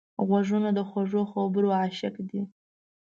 غوږونه د خوږو خبرو عاشق دي